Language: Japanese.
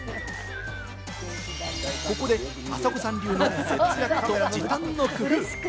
ここで、朝子さん流の節約と時短の工夫。